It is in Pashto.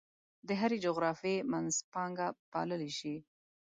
د هرې جغرافیې منځپانګه پاللی شي.